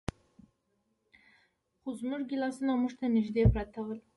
خو زموږ ګیلاسونه موږ ته نږدې پراته ول.